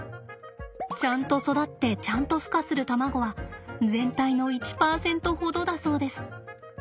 ちゃんと育ってちゃんとふ化する卵は全体の１％ほどだそうです。